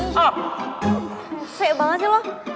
susah banget sih lu